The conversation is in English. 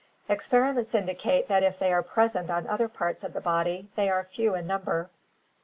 Experiments indicate that if they are present on other parts of the body they are few in number.